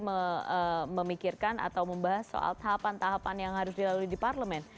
memikirkan atau membahas soal tahapan tahapan yang harus dilalui di parlemen